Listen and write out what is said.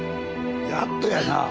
やっとやな！